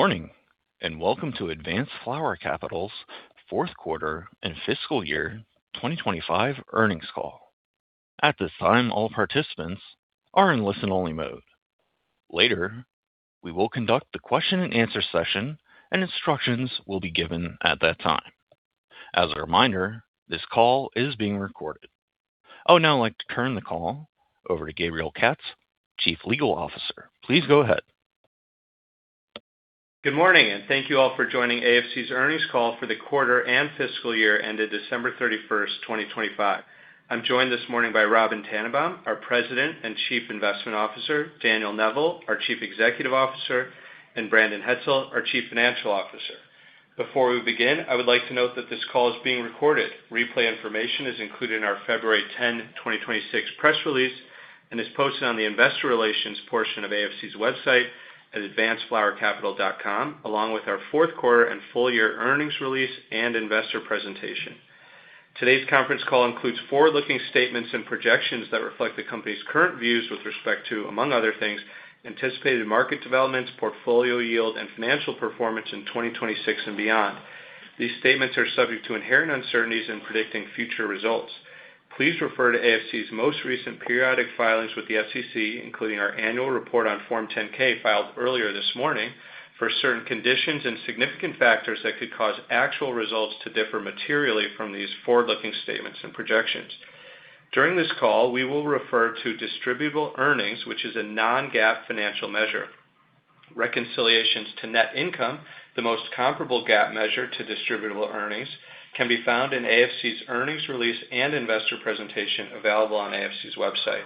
Good morning, welcome to Advanced Flower Capital's fourth quarter and fiscal year 2025 earnings call. At this time, all participants are in listen-only mode. Later, we will conduct the question and answer session. Instructions will be given at that time. As a reminder, this call is being recorded. I would now like to turn the call over to Gabriel Katz, Chief Legal Officer. Please go ahead. Good morning, thank you all for joining AFC's earnings call for the quarter and fiscal year ended December 31, 2025. I'm joined this morning by Robyn Tannenbaum, our President and Chief Investment Officer, Daniel Neville, our Chief Executive Officer, and Brandon Hetzel, our Chief Financial Officer. Before we begin, I would like to note that this call is being recorded. Replay information is included in our February 10, 2026 press release and is posted on the investor relations portion of AFC's website at advancedflowercapital.com, along with our fourth quarter and full year earnings release and investor presentation. Today's conference call includes forward-looking statements and projections that reflect the company's current views with respect to, among other things, anticipated market developments, portfolio yield and financial performance in 2026 and beyond. These statements are subject to inherent uncertainties in predicting future results. Please refer to AFC's most recent periodic filings with the SEC, including our annual report on Form 10-K filed earlier this morning for certain conditions and significant factors that could cause actual results to differ materially from these forward-looking statements and projections. During this call, we will refer to Distributable Earnings, which is a non-GAAP financial measure. Reconciliations to net income, the most comparable GAAP measure to Distributable Earnings, can be found in AFC's earnings release and investor presentation available on AFC's website.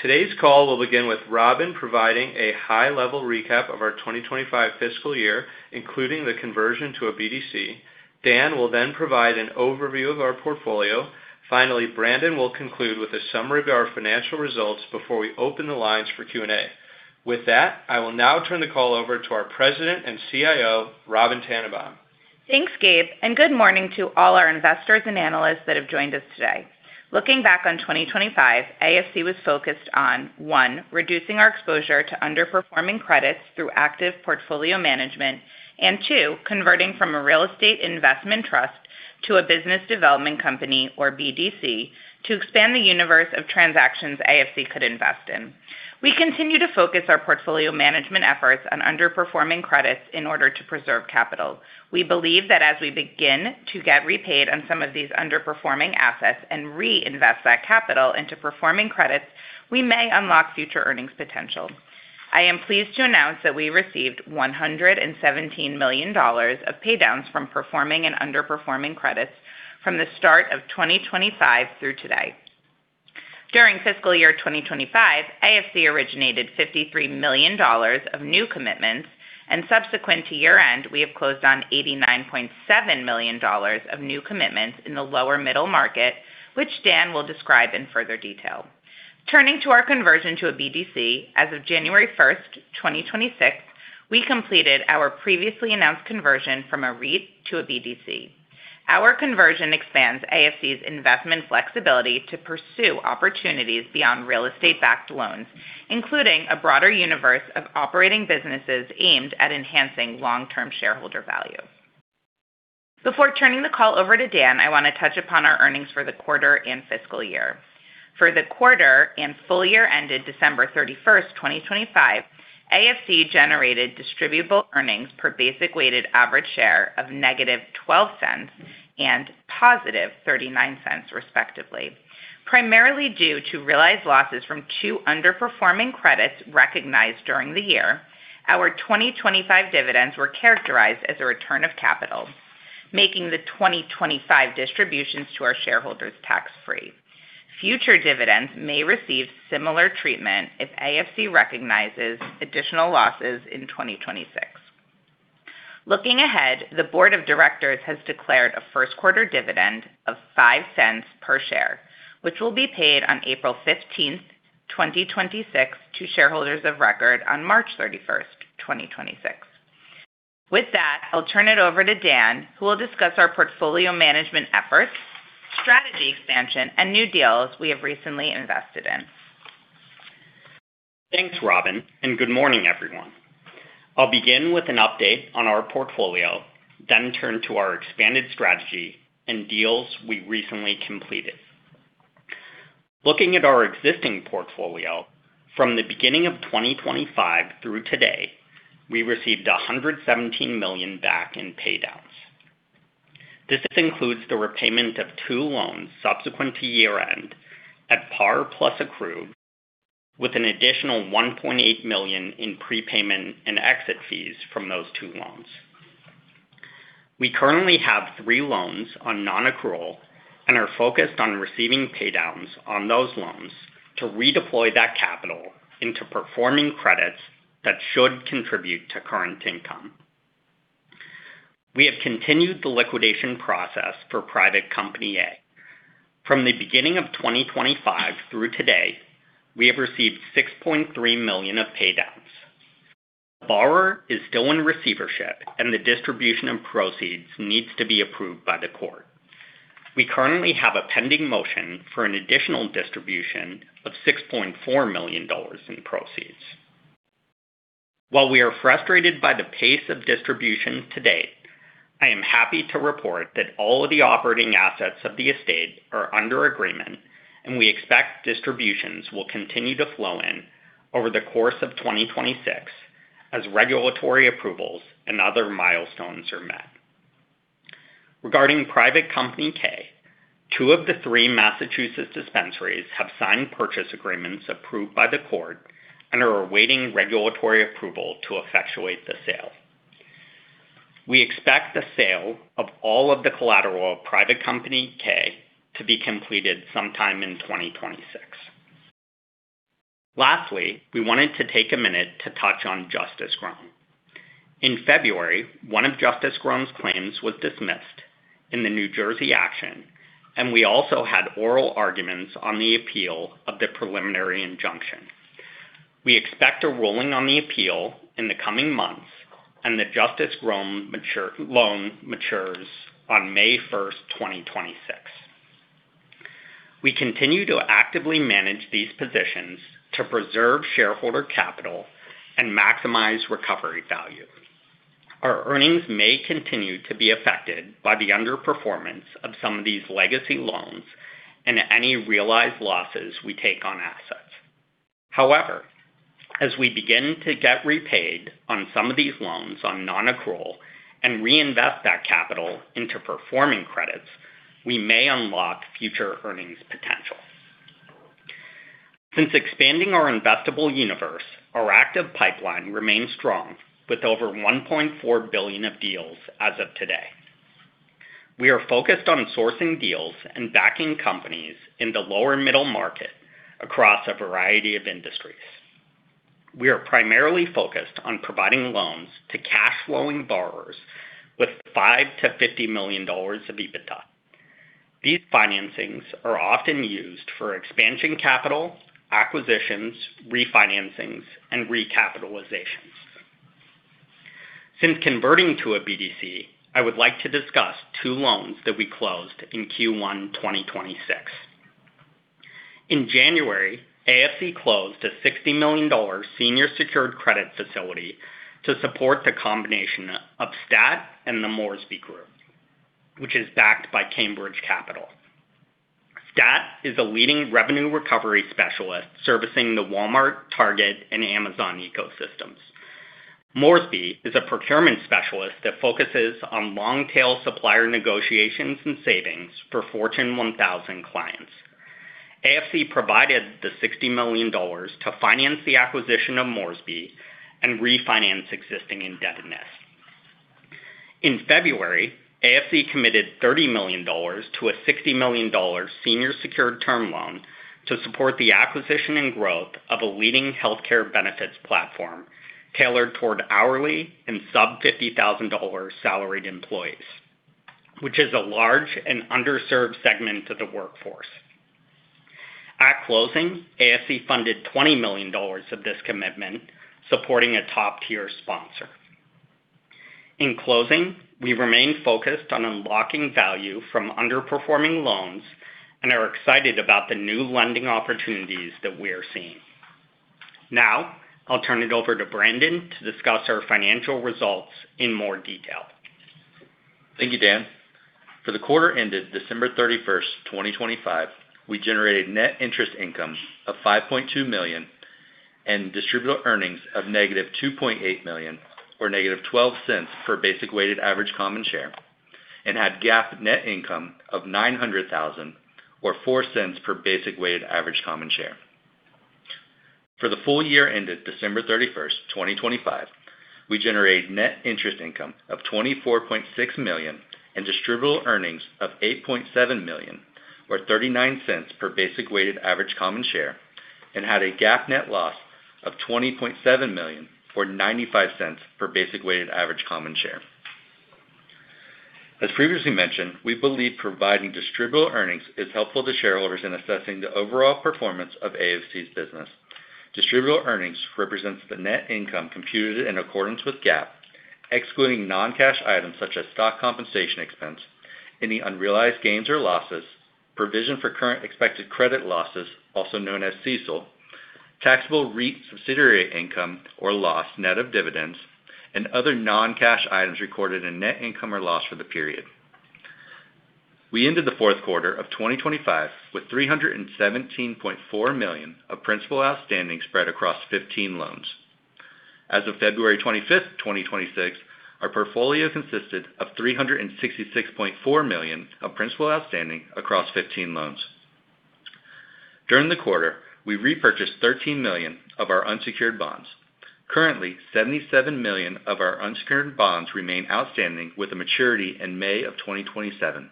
Today's call will begin with Robyn providing a high-level recap of our 2025 fiscal year, including the conversion to a BDC. Dan will provide an overview of our portfolio. Finally, Brandon will conclude with a summary of our financial results before we open the lines for Q&A. With that, I will now turn the call over to our President and CIO, Robyn Tannenbaum. Thanks, Gabe, good morning to all our investors and analysts that have joined us today. Looking back on 2025, AFC was focused on, one, reducing our exposure to underperforming credits through active portfolio management. Two, converting from a REIT to a BDC to expand the universe of transactions AFC could invest in. We continue to focus our portfolio management efforts on underperforming credits in order to preserve capital. We believe that as we begin to get repaid on some of these underperforming assets and reinvest that capital into performing credits, we may unlock future earnings potential. I am pleased to announce that we received $117 million of paydowns from performing and underperforming credits from the start of 2025 through today. During fiscal year 2025, AFC originated $53 million of new commitments, and subsequent to year-end, we have closed on $89.7 million of new commitments in the lower middle market, which Dan will describe in further detail. Turning to our conversion to a BDC, as of January 1, 2026, we completed our previously announced conversion from a REIT to a BDC. Our conversion expands AFC's investment flexibility to pursue opportunities beyond real estate-backed loans, including a broader universe of operating businesses aimed at enhancing long-term shareholder value. Before turning the call over to Dan, I want to touch upon our earnings for the quarter and fiscal year. For the quarter and full year ended December 31, 2025, AFC generated distributable earnings per basic weighted average share of -$0.12 and $0.39, respectively. Primarily due to realized losses from two underperforming credits recognized during the year, our 2025 dividends were characterized as a return of capital, making the 2025 distributions to our shareholders tax-free. Future dividends may receive similar treatment if AFC recognizes additional losses in 2026. Looking ahead, the board of directors has declared a first quarter dividend of $0.05 per share, which will be paid on April 15th, 2026 to shareholders of record on March 31st, 2026. With that, I'll turn it over to Dan, who will discuss our portfolio management efforts, strategy expansion, and new deals we have recently invested in. Thanks, Robyn. Good morning, everyone. I'll begin with an update on our portfolio, then turn to our expanded strategy and deals we recently completed. Looking at our existing portfolio from the beginning of 2025 through today, we received $117 million back in paydowns. This includes the repayment of two loans subsequent to year-end at par plus accrued, with an additional $1.8 million in prepayment and exit fees from those two loans. We currently have three loans on non-accrual and are focused on receiving paydowns on those loans to redeploy that capital into performing credits that should contribute to current income. We have continued the liquidation process for Private Company A. From the beginning of 2025 through today, we have received $6.3 million of paydowns. Borrower is still in receivership and the distribution of proceeds needs to be approved by the court. We currently have a pending motion for an additional distribution of $6.4 million in proceeds. While we are frustrated by the pace of distribution to date, I am happy to report that all of the operating assets of the estate are under agreement, and we expect distributions will continue to flow in over the course of 2026 as regulatory approvals and other milestones are met. Regarding Private Company K, two of the three Massachusetts dispensaries have signed purchase agreements approved by the court and are awaiting regulatory approval to effectuate the sale. We expect the sale of all of the collateral of Private Company K to be completed sometime in 2026. Lastly, we wanted to take a minute to touch on Justice Grown. In February, one of Justice Grown's claims was dismissed in the New Jersey action, and we also had oral arguments on the appeal of the preliminary injunction. We expect a ruling on the appeal in the coming months, and the Justice Grown loan matures on May 1st, 2026. We continue to actively manage these positions to preserve shareholder capital and maximize recovery value. Our earnings may continue to be affected by the underperformance of some of these legacy loans and any realized losses we take on assets. However, as we begin to get repaid on some of these loans on non-accrual and reinvest that capital into performing credits, we may unlock future earnings potential. Since expanding our investable universe, our active pipeline remains strong with over $1.4 billion of deals as of today. We are focused on sourcing deals and backing companies in the lower middle market across a variety of industries. We are primarily focused on providing loans to cash flowing borrowers with $5 million-$50 million of EBITDA. These financings are often used for expansion capital, acquisitions, refinancings, and recapitalizations. Since converting to a BDC, I would like to discuss two loans that we closed in Q1, 2026. In January, AFC closed a $60 million senior secured credit facility to support the combination of Stat and The Moresby Group, which is backed by Cambridge Capital. Stat is a leading revenue recovery specialist servicing the Walmart, Target, and Amazon ecosystems. Moresby is a procurement specialist that focuses on long-tail supplier negotiations and savings for Fortune 1000 clients. AFC provided the $60 million to finance the acquisition of Moresby and refinance existing indebtedness. In February, AFC committed $30 million to a $60 million senior secured term loan to support the acquisition and growth of a leading healthcare benefits platform tailored toward hourly and sub $50,000 salaried employees, which is a large and underserved segment of the workforce. At closing, AFC funded $20 million of this commitment, supporting a top-tier sponsor. In closing, we remain focused on unlocking value from underperforming loans and are excited about the new lending opportunities that we are seeing. Now, I'll turn it over to Brandon to discuss our financial results in more detail. Thank you, Dan. For the quarter ended December 31, 2025, we generated net interest income of $5.2 million and Distributable Earnings of -$2.8 million, or -$0.12 per basic weighted average common share, and had GAAP net income of $900,000 or $0.04 per basic weighted average common share. For the full year ended December 31, 2025, we generated net interest income of $24.6 million and Distributable Earnings of $8.7 million, or $0.39 per basic weighted average common share, and had a GAAP net loss of $20.7 million, or $0.95 per basic weighted average common share. As previously mentioned, we believe providing Distributable Earnings is helpful to shareholders in assessing the overall performance of AFC's business. Distributable Earnings represents the net income computed in accordance with GAAP, excluding non-cash items such as stock compensation expense, any unrealized gains or losses, provision for current expected credit losses, also known as CECL, taxable REIT subsidiary income or loss net of dividends, and other non-cash items recorded in net income or loss for the period. We ended the fourth quarter of 2025 with $317.4 million of principal outstanding spread across 15 loans. As of February 25th, 2026, our portfolio consisted of $366.4 million of principal outstanding across 15 loans. During the quarter, we repurchased $13 million of our unsecured bonds. Currently, $77 million of our unsecured bonds remain outstanding with a maturity in May of 2027.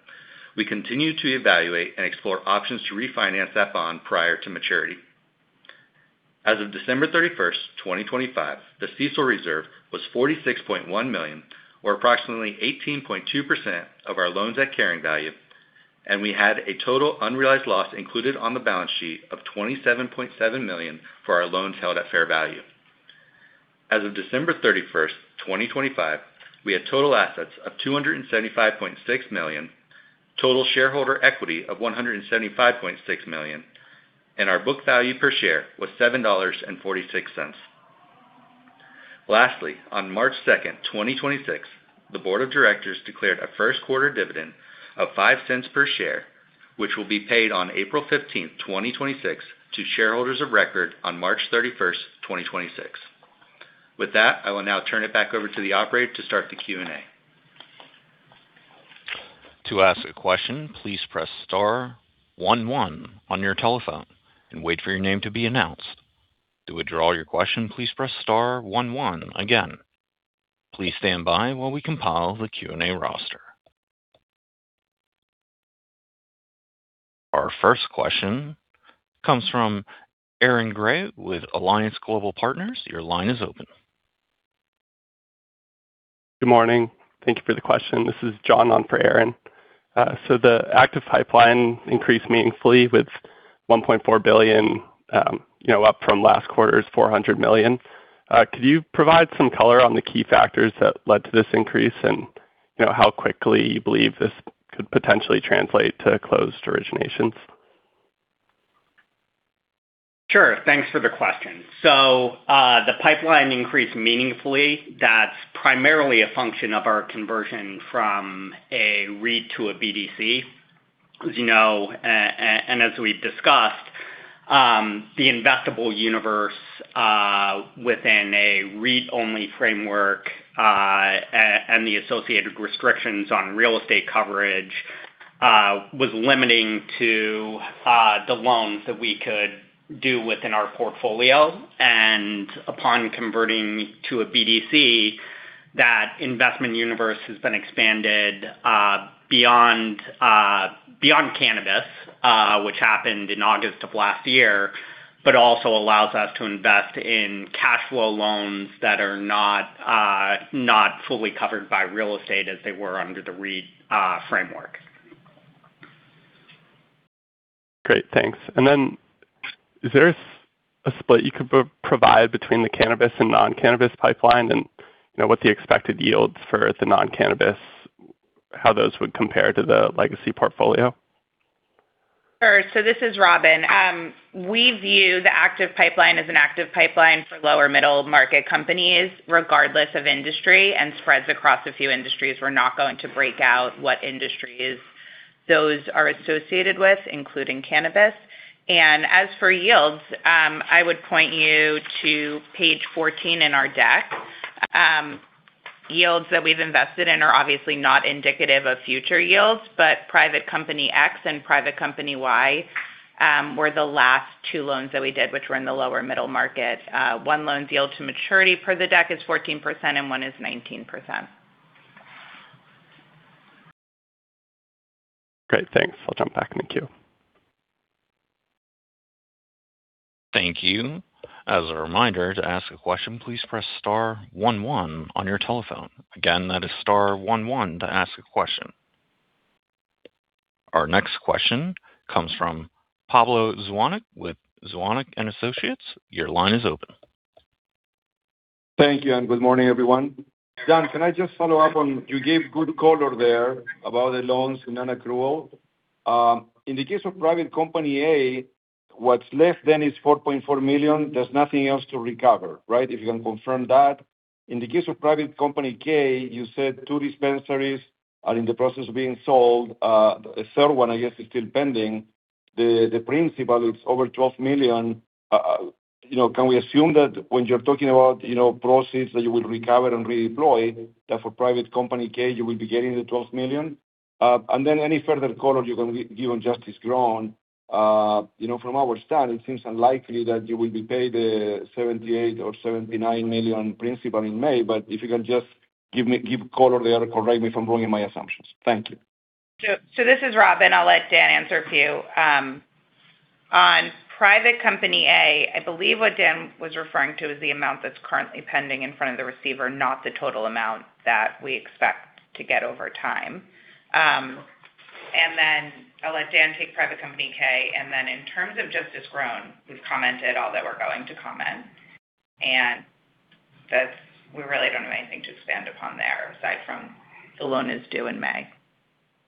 We continue to evaluate and explore options to refinance that bond prior to maturity. As of December 31st, 2025, the CECL reserve was $46.1 million, or approximately 18.2% of our loans at carrying value, and we had a total unrealized loss included on the balance sheet of $27.7 million for our loans held at fair value. As of December 31st, 2025, we had total assets of $275.6 million, total shareholder equity of $175.6 million, and our book value per share was $7.46. Lastly, on March 2nd, 2026, the board of directors declared a first quarter dividend of $0.05 per share, which will be paid on April 15th, 2026 to shareholders of record on March 31st, 2026. With that, I will now turn it back over to the operator to start the Q&A. To ask a question, please press star one one on your telephone and wait for your name to be announced. To withdraw your question, please press star one one again. Please stand by while we compile the Q&A roster. Our first question comes from Aaron Grey with Alliance Global Partners. Your line is open. Good morning. Thank you for the question. This is John on for Aaron. The active pipeline increased meaningfully with $1.4 billion, you know, up from last quarter's $400 million. Could you provide some color on the key factors that led to this increase and, you know, how quickly you believe this could potentially translate to closed originations? Sure. Thanks for the question. The pipeline increased meaningfully. That's primarily a function of our conversion from a REIT to a BDC. As you know, and as we've discussed, the investable universe within a REIT-only framework, and the associated restrictions on real estate coverage, was limiting to the loans that we could do within our portfolio. Upon converting to a BDC, that investment universe has been expanded beyond cannabis, which happened in August of last year, but also allows us to invest in cash flow loans that are not fully covered by real estate as they were under the REIT framework. Great. Thanks. Then is there a split you could provide between the cannabis and non-cannabis pipeline? You know, what the expected yields for the non-cannabis, how those would compare to the legacy portfolio? Sure. This is Robyn. We view the active pipeline as an active pipeline for lower middle market companies, regardless of industry, and spreads across a few industries. We're not going to break out what industries those are associated with, including cannabis. As for yields, I would point you to page 14 in our deck. Yields that we've invested in are obviously not indicative of future yields, but Private Company X and Private Company Y were the last two loans that we did, which were in the lower middle market. One loan's yield to maturity per the deck is 14% and one is 19%. Great. Thanks. I'll jump back in the queue. Thank you. As a reminder, to ask a question, please press star one one on your telephone. Again, that is star one one to ask a question. Our next question comes from Pablo Zuanic with Zuanic & Associates. Your line is open. Thank you. Good morning, everyone. Dan, can I just follow up on, you gave good color there about the loans in non-accrual. In the case of Private Company A, what's left then is $4.4 million. There's nothing else to recover, right? If you can confirm that. In the case of Private Company K, you said two dispensaries are in the process of being sold. A third one, I guess, is still pending. The principal is over $12 million. You know, can we assume that when you're talking about, you know, proceeds that you will recover and redeploy, that for Private Company K, you will be getting the $12 million? Then any further color you can give on Justice Grown. You know, from our study, it seems unlikely that you will be paid the $78 million or $79 million principal in May. If you can just give color there or correct me if I'm wrong in my assumptions. Thank you. This is Robyn. I'll let Dan answer a few. On Private Company A, I believe what Dan was referring to is the amount that's currently pending in front of the receiver, not the total amount that we expect to get over time. Then I'll let Dan take Private Company K. Then in terms of Justice Grown, we've commented all that we're going to comment, and that's we really don't have anything to expand upon there aside from the loan is due in May.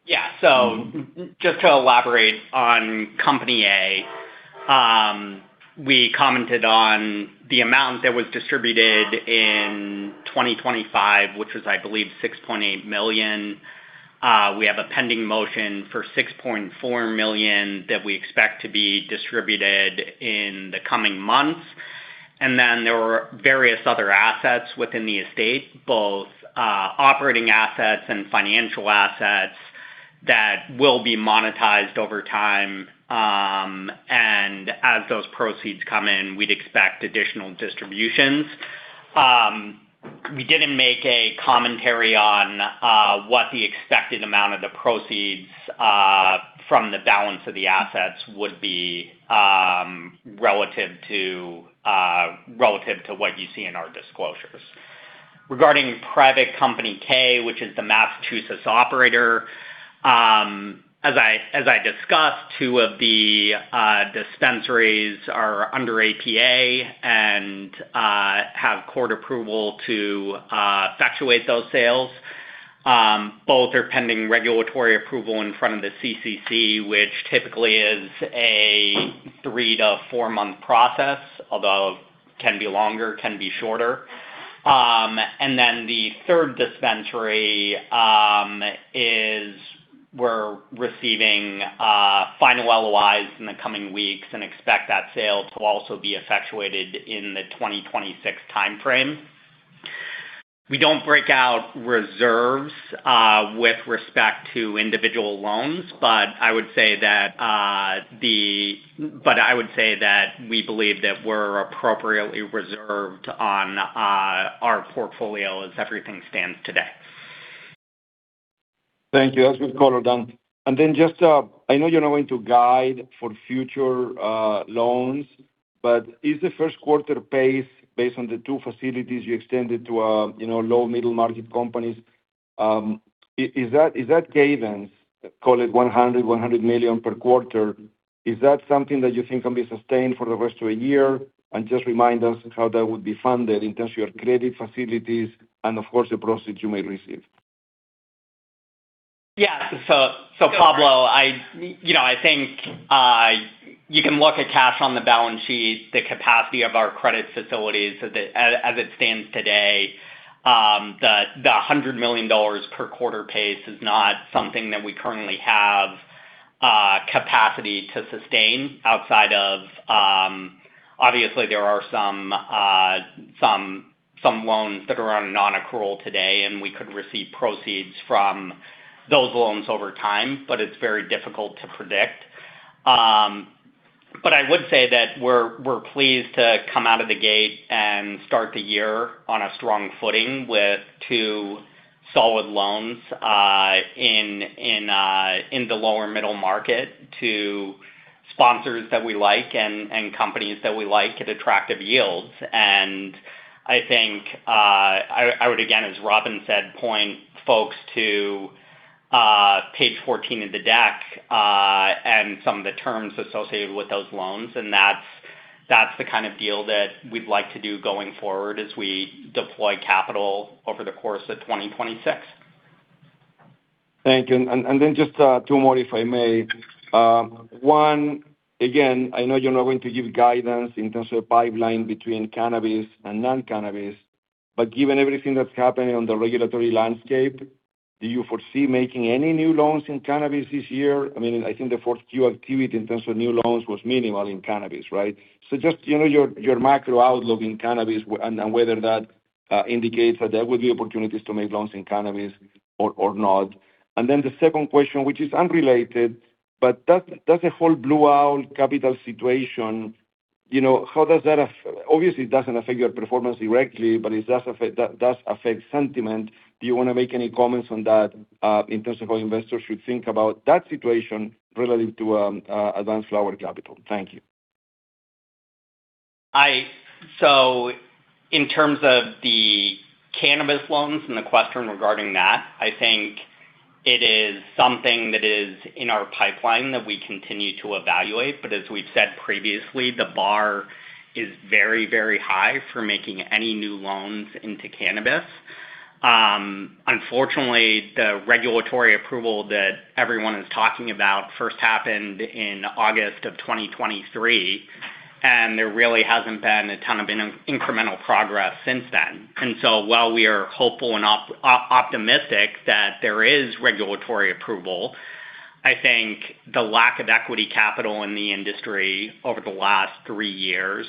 Just to elaborate on Company A, we commented on the amount that was distributed in 2025, which was, I believe, $6.8 million. We have a pending motion for $6.4 million that we expect to be distributed in the coming months. There were various other assets within the estate, both, operating assets and financial assets that will be monetized over time. As those proceeds come in, we'd expect additional distributions. We didn't make a commentary on what the expected amount of the proceeds from the balance of the assets would be relative to relative to what you see in our disclosure. Regarding Private Company K, which is the Massachusetts operator, as I discussed, two of the dispensaries are under APA and have court approval to effectuate those sales. Both are pending regulatory approval in front of the CCC, which typically is a 3-4 month process, although can be longer, can be shorter. The third dispensary is we're receiving final LOIs in the coming weeks and expect that sale to also be effectuated in the 2026 timeframe. We don't break out reserves with respect to individual loans, but I would say that we believe that we're appropriately reserved on, our portfolio as everything stands today. Thank you. That's good color, Dan. Just, I know you're not going to guide for future loans, but is the first quarter pace based on the two facilities you extended to, you know, lower middle market companies, is that, is that cadence, call it $100 million per quarter, is that something that you think can be sustained for the rest of the year? Just remind us how that would be funded in terms of your credit facilities and of course, the proceeds you may receive? Pablo, I, you know, I think you can look at cash on the balance sheet, the capacity of our credit facilities as it stands today, the $100 million per quarter pace is not something that we currently have capacity to sustain outside of obviously there are some loans that are on non-accrual today, and we could receive proceeds from those loans over time, but it's very difficult to predict. I would say that we're pleased to come out of the gate and start the year on a strong footing with two solid loans in the lower middle market to sponsors that we like and companies that we like at attractive yields. I think, I would again, as Robyn said, point folks to page 14 of the deck, and some of the terms associated with those loans. That's the kind of deal that we'd like to do going forward as we deploy capital over the course of 2026. Thank you. Then just two more, if I may. One, again, I know you're not going to give guidance in terms of pipeline between cannabis and non-cannabis, but given everything that's happening on the regulatory landscape, do you foresee making any new loans in cannabis this year? I mean, I think the fourth Q activity in terms of new loans was minimal in cannabis, right? Just, you know, your macro outlook in cannabis and whether that indicates that there will be opportunities to make loans in cannabis or not. Then the second question, which is unrelated, but does the whole Blue Owl Capital situation, you know, how does that Obviously, it doesn't affect your performance directly, but it does affect sentiment. Do you wanna make any comments on that, in terms of how investors should think about that situation relative to Advanced Flower Capital? Thank you. In terms of the cannabis loans and the question regarding that, I think it is something that is in our pipeline that we continue to evaluate. As we've said previously, the bar is very, very high for making any new loans into cannabis. Unfortunately, the regulatory approval that everyone is talking about first happened in August of 2023, and there really hasn't been a ton of incremental progress since then. While we are hopeful and optimistic that there is regulatory approval, I think the lack of equity capital in the industry over the last three years,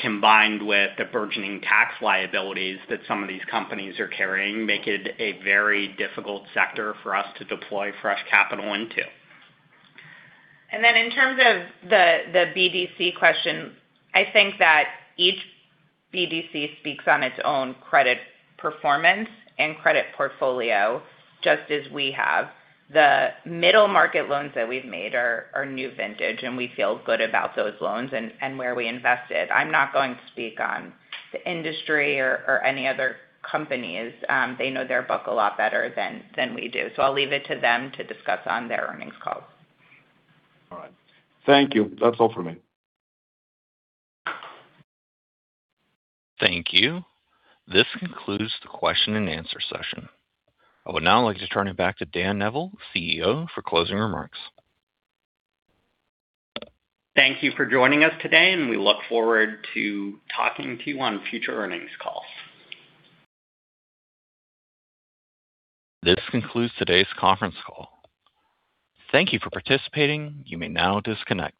combined with the burgeoning tax liabilities that some of these companies are carrying, make it a very difficult sector for us to deploy fresh capital into. In terms of the BDC question, I think that each BDC speaks on its own credit performance and credit portfolio, just as we have. The middle market loans that we've made are new vintage, and we feel good about those loans and where we invest it. I'm not going to speak on the industry or any other companies. They know their book a lot better than we do, so I'll leave it to them to discuss on their earnings call. All right. Thank you. That's all for me. Thank you. This concludes the question and answer session. I would now like to turn it back to Dan Neville, CEO, for closing remarks. Thank you for joining us today, and we look forward to talking to you on future earnings calls. This concludes today's conference call. Thank you for participating. You may now disconnect.